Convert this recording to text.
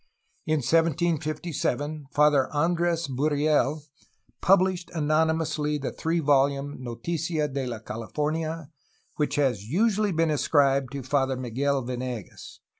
In 1757 Father Andres Burriel published anonymously the three volume Noticia de la California which has usually been ascribed to Father Miguel Venegas.